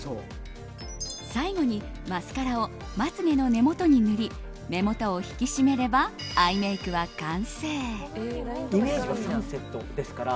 最後にマスカラをまつ毛の根元に塗り目元を引き締めればアイメイクは完成。